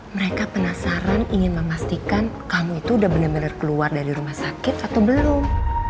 mereka penasaran ingin memastikan kamu itu udah benar benar keluar dari rumah sakit atau belum